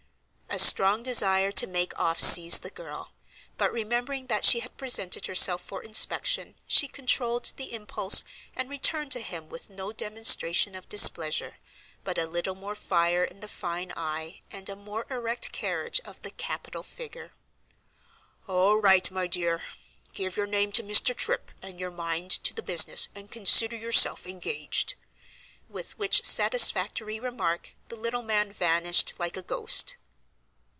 A strong desire to make off seized the girl; but, remembering that she had presented herself for inspection, she controlled the impulse, and returned to him with no demonstration of displeasure, but a little more fire in "the fine eye," and a more erect carriage of the "capital figure." "All right, my dear. Give your name to Mr. Tripp, and your mind to the business, and consider yourself engaged,"—with which satisfactory remark the little man vanished like a ghost.